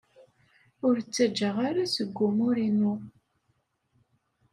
Ur ttajjaɣ ara seg umur-inu.